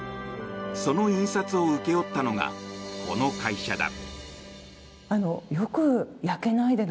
その印刷を請け負ったのがこの会社だ。